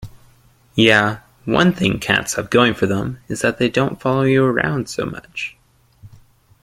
Yeah, one thing cats have going for them is that they don't follow you around so much.